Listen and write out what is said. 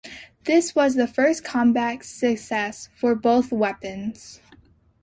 This was the first combat success for both weapons.